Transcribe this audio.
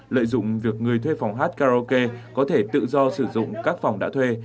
lợi dụng việc người thuê phòng hát karaoke có thể tự do sử dụng các phòng đã thuê